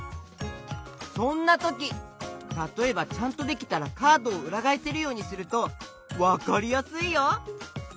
そんなときたとえばちゃんとできたらカードをうらがえせるようにするとわかりやすいよ！